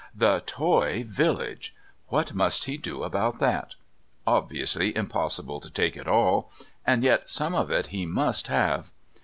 The toy village! What must he do about that? Obviously impossible to take it all and yet some of it he must have.